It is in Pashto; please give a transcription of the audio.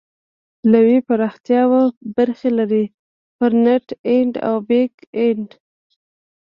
د ویب پراختیا دوه برخې لري: فرنټ اینډ او بیک اینډ.